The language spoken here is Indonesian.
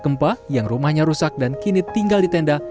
gempa yang rumahnya rusak dan kini tinggal di tenda